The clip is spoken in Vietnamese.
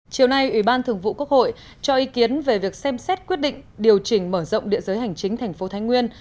chiều nay ủy ban thường vụ quốc hội cho ý kiến về việc xem xét quyết định điều chỉnh mở rộng địa giới hành chính thành phố thái nguyên